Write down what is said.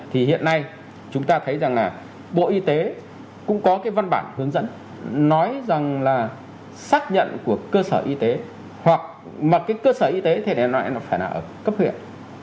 thì hiện nay chúng ta thấy rằng là bộ y tế cũng có cái văn bản hướng dẫn nói rằng là xác nhận của cơ sở y tế hoặc cái cơ sở y tế thì để nói là phải là ở cấp huyện